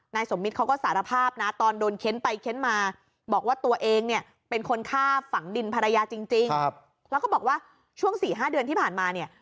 สมมิตรเขาก็สารภาพนะตอนโดนเค้นไปเค้นมาบอกว่าตัวเองเนี่ยเป็นคนฆ่าฝังดินภรรยาจริงแล้วก็บอกว่าช่วง๔๕เดือนที่ผ่านมาเนี่ย